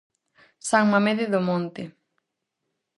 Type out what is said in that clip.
San Mamede do Monte.